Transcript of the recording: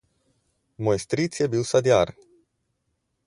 Moj stric je bil sadjar.